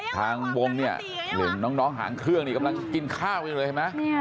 ทางวงเนี่ยเห็นน้องหางเครื่องกำลังกินข้าวเลยใช่มั้ย